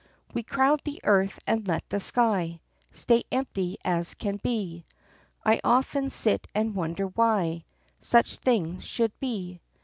We crowd the earth and let the sky Stay empty as can he. I often sit and wonder why Such things should be.